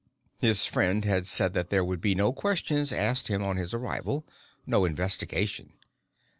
His friend had said that there would be no questions asked him on his arrival no investigation.